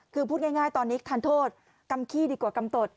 คือพูดง่ายตอนนี้ทานโทษกำขี้ดีกว่ากำตด